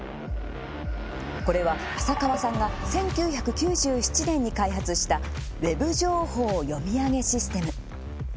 これは浅川さんが１９９７年に開発したウェブ情報読み上げシステム。